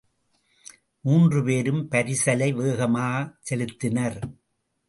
மூன்று பேரும் பரிசலை வேகமாகச் செலுத்தினர்.